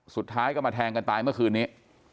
สุดท้ายก็มาแทงกันตายเมื่อคืนนี้